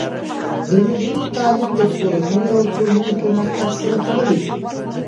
د نجونو تعلیم د کورنیو او ټولنې پرمختګ سره تړلی دی.